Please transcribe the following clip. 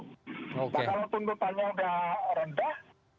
kalau tuntutannya sudah rendah